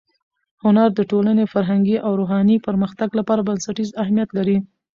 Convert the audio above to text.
هنر د ټولنې فرهنګي او روحاني پرمختګ لپاره بنسټیز اهمیت لري.